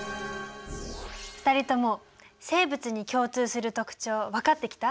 ２人とも生物に共通する特徴分かってきた？